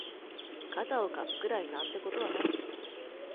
肩を貸すくらいなんてことはない